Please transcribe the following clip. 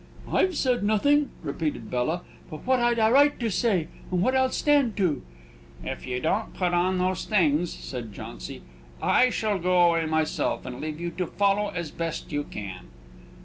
"I've said nothing," repeated Bella, "but what I'd a right to say, and what I'll stand to." "If you don't put on those things," said Jauncy, "I shall go away myself, and leave you to follow as best you can."